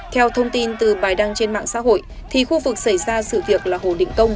theo thông tin từ bài đăng trên mạng xã hội thì khu vực xảy ra sự việc là hồ định công